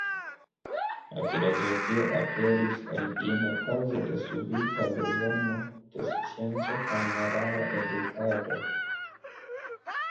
La filozofio aperis origine kaŭze de subita bezono de scienco kaj morala edukado.